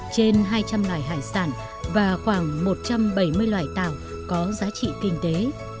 trên hai trăm linh loài hải sản và khoảng một trăm bảy mươi loài tàu có giá trị kinh tế